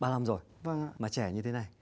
ba mươi năm rồi mà trẻ như thế này